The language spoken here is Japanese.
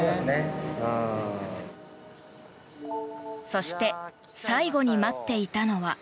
そして最後に待っていたのは。